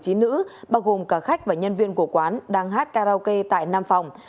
chín nữ bao gồm cả khách và nhân viên của quán đang hát karaoke tại năm phòng